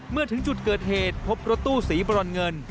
เมื่อถึงจุดเกิดเหตุพบรถตู้สีบรอนเงิน